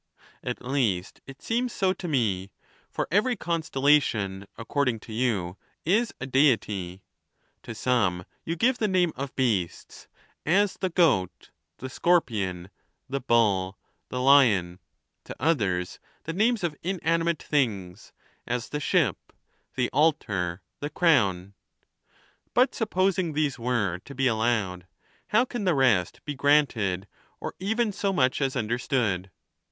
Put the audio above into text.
At least, it seems so to me; for every constellation, according to you, is a Deity : to some you give the name of beasts, as the goat, the scor pion, the bull, the lion ; to othei s the names of inanimate things, as the ship, the altar, the crown. But supposing these were to be allowed, how can the rest be granted, or even so much as understood